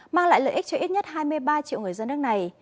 mang lại lợi ích cho ít nhất hai mươi ba triệu người dân nước này